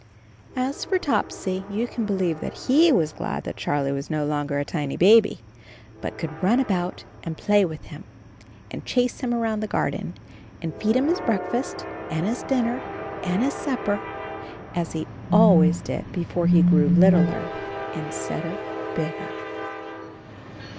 As for Topsy — you can believe that he was glad that Charlie was no longer a tiny baby, but could run about and play with him, and 90 CHARLIE chase him around the garden, and feed him his breakfast and his dinner and his supper, as he always did before he grew littler in stead of bigger.